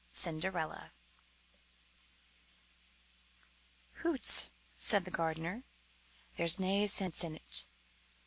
CINDERELLA "HOOTS!" said the gardener, "there's nae sense in't.